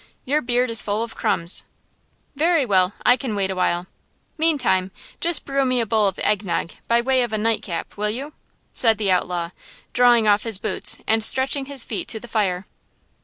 Your beard is full of crumbs!" "Very well, I can wait awhile! Meantime just brew me a bowl of egg nog, by way of a night cap, will you?" said the outlaw, drawing off his boots and stretching his feet to the fire.